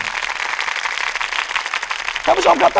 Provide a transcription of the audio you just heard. อยู่ที่แม่ศรีวิรัยิลครับ